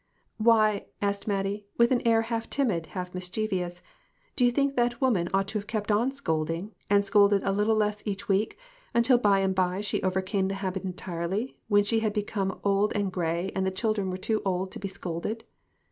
"Why," asked Mattie, with an air half timid, half mischievous, "do you think that woman ought to have kept on scolding, and scolded a little less each week, until by and by she over came the habit entirely, when she had become old and gray and the children were too old to be scolded